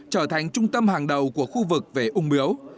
trở thành trung tâm hàng đầu của khu vực về ung biếu